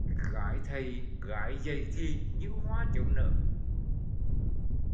Gái dậy thì như hoa chớm nở